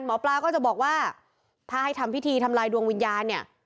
หมอปลาก็จะบอกว่าถ้าให้ทำพิธีทำลายดวงวิญญาณเนี่ย